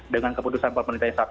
dengan keputusan pemerintah yang